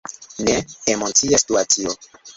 Ne, emocia situacio!